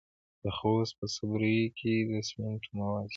د خوست په صبریو کې د سمنټو مواد شته.